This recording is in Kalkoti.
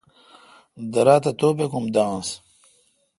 درا تہ توبک ام داںنس